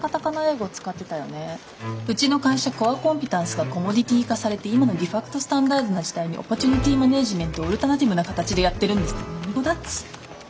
「うちの会社コアコンピタンスがコモディティ化されて今のデファクトスタンダードな時代にオポチュニティマネジメントをオルタナティブな形でやってるんです」ってもう何語だっつの！